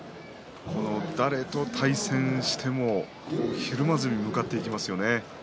誰と対戦してもひるまずに向かっていきますよね。